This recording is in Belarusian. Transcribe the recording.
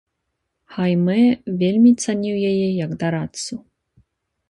Хаймэ вельмі цаніў яе як дарадцу.